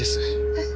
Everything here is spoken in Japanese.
えっ？